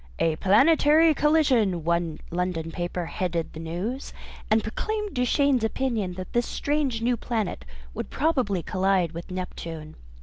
"A Planetary Collision," one London paper headed the news, and proclaimed Duchaine's opinion that this strange new planet would probably collide with Neptune.